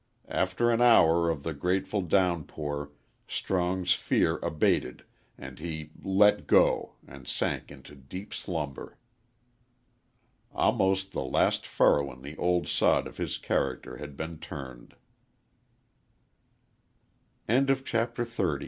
After an hour of the grateful downpour Strong's fear abated and he "let go" and sank into deep slumber. Almost the last furrow in the old sod of his character had been turned. XXXI THE sun rose clear nex